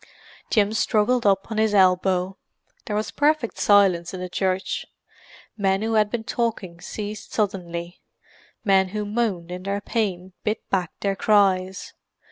Jim struggled up on his elbow. There was perfect silence in the church; men who had been talking ceased suddenly, men who moaned in their pain bit back their cries.